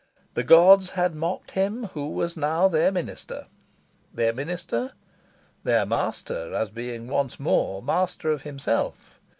The gods had mocked him who was now their minister. Their minister? Their master, as being once more master of himself.